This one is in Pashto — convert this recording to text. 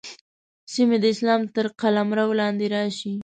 سیمې د اسلام تر قلمرو لاندې راشي.